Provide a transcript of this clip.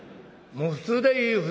もう普通でいい。